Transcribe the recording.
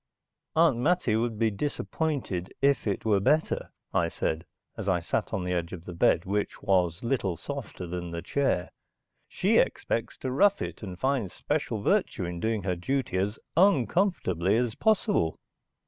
"Aunt Mattie would be disappointed if it were better," I said as I sat on the edge of the bed, which was little softer than the chair. "She expects to rough it, and finds special virtue in doing her duty as uncomfortably as possible."